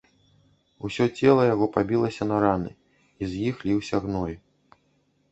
Усё цела яго пабілася на раны, і з іх ліўся гной.